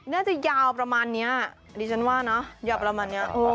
น่าจะยาวประมาณนี้ใดฉันว่าเนาะ